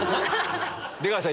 出川さん